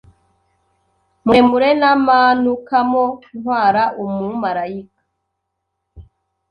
muremure namanukamo ntwara Umumarayika